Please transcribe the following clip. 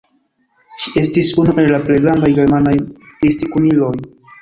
Ŝi estis unu el plej grandaj germanaj mistikulinoj.